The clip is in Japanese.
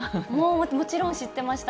もちろん知ってました。